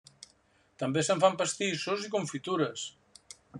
També se'n fan pastissos i confitures.